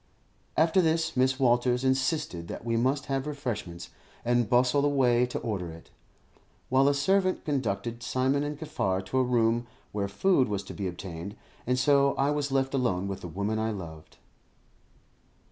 After this, Mrs. Walters insisted that we must have refreshments, and bustled away to order it, while a servant conducted Simon and Kaffar to a room where food was to be obtained; and so I was left alone with the woman I loved.